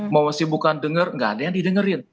mau kesibukan dengar nggak ada yang didengerin